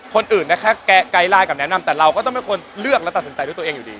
คนอื่นนะคะไกลลายกับแนะนำแต่เราก็ต้องเป็นคนเลือกและตัดสินใจด้วยตัวเองอยู่ดี